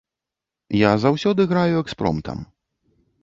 Я заўсёды граю экспромтам.